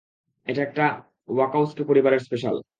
এটা একটা ওয়াকাওস্কি পরিবারের স্পেশাল।